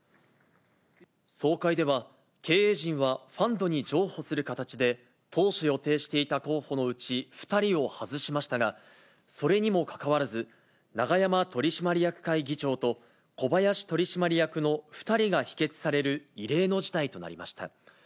総会では、経営陣はファンドに譲歩する形で、当初予定していた候補のうち２人を外しましたが、それにもかかわらず、永山取締役会議長と小林取締役の２人が否決される、異例の事態となりました。